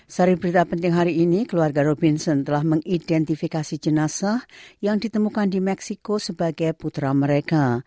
dari berita penting hari ini keluarga robinson telah mengidentifikasi jenazah yang ditemukan di meksiko sebagai putra mereka